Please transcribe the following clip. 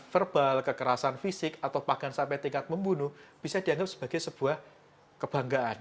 verbal kekerasan fisik atau bahkan sampai tingkat membunuh bisa dianggap sebagai sebuah kebanggaan